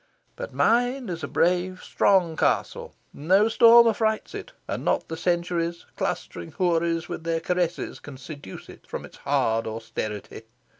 But mine is a brave strong castle. No storm affrights it; and not the centuries, clustering houris, with their caresses can seduce it from its hard austerity.